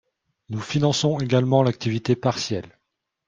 Nous finançons également l’activité partielle.